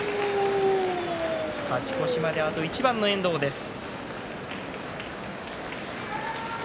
勝ち越しまであと一番の遠藤です。